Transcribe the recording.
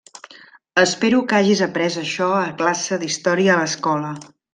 Espero que hagis après això a classe d'història a l'escola.